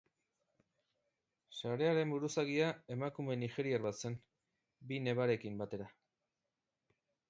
Sarearen buruzagia emakume nigeriar bat zen, bi nebarekin batera.